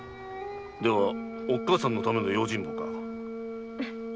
ではおっかさんの為の用心棒か。